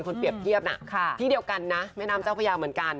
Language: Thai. เปรียบเทียบนะที่เดียวกันนะแม่น้ำเจ้าพญาเหมือนกัน